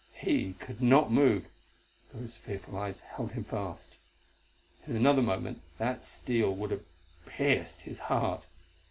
He could not move; those fearful eyes held him fast. In another moment that steel would have pierced his heart.